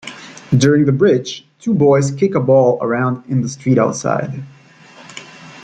During the bridge, two boys kick a ball around in the street outside.